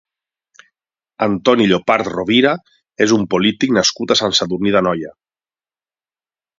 Antoni Llopart Rovira és un polític nascut a Sant Sadurní d'Anoia.